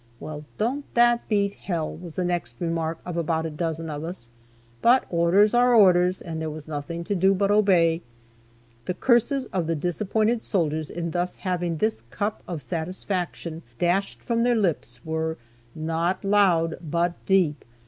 "Well, don't that beat hell!" was the next remark of about a dozen of us. But orders are orders, and there was nothing to do but obey. The curses of the disappointed soldiers in thus having this cup of satisfaction dashed from their lips were "not loud, but deep."